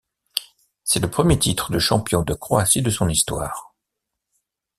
C'est le premier titre de champion de Croatie de son histoire.